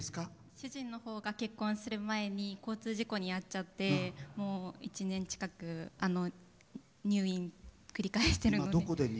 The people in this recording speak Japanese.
主人のほうが結婚する前に交通事故に遭っちゃって１年近く入院を繰り返してるので。